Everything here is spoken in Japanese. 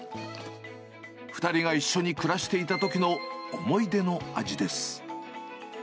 ２人が一緒に暮らしていたときの思い出の味です。